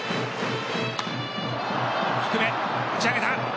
低め、打ち上げた。